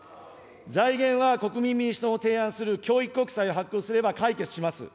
財源は、国民民主党の提案する教育国債を発行すれば解決します。